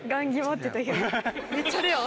今めっちゃレア！